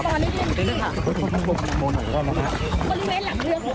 พี่ปนิดนึงค่ะ